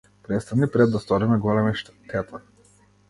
Престани пред да сториме голема штета.